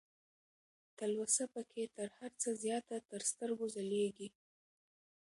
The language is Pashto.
تلوسه پکې تر هر څه زياته تر سترګو ځلېږي